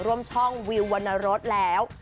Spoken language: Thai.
ร่วมช่องวิววรรณรสแล้ว